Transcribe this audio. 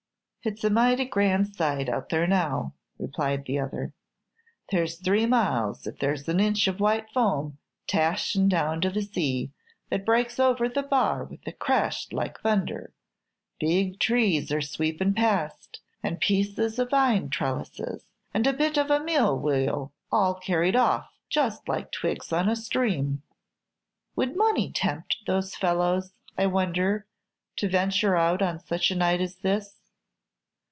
"It's a mighty grand sight out there now," replied the other; "there's three miles if there's an inch of white foam dashing down to the sea, that breaks over the bar with a crash like thunder; big trees are sweepin' past, and pieces of vine trellises, and a bit of a mill wheel, all carried off just like twigs on a stream." "Would money tempt those fellows, I wonder, to venture out on such a night as this?"